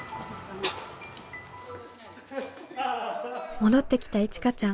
戻ってきたいちかちゃん。